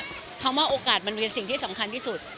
คำว่าโอกาสมันมีสิ่งที่สำคัญที่สุด